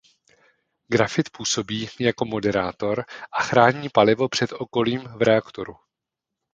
Grafit působí jako moderátor a chrání palivo před okolím v reaktoru.